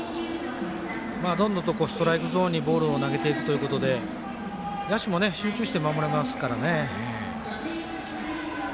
どんどんとストライクゾーンにボールを投げていくということで野手も集中して守れますからね。